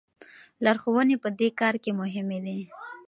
لارښوونې په دې کار کې مهمې دي.